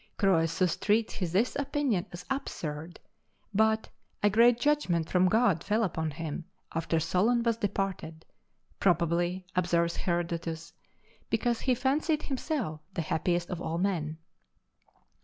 Croesus treats this opinion as absurd, but "a great judgment from God fell upon him, after Solon was departed probably (observes Herodotus) because he fancied himself the happiest of all men."